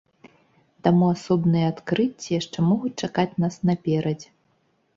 Таму асобныя адкрыцці яшчэ могуць чакаць нас наперадзе.